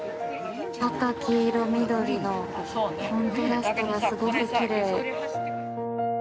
赤、黄色、緑のコントラストがすごくきれい。